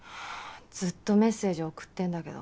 ずっとメッセージ送ってるんだけど。